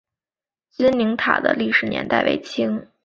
君灵塔的历史年代为清。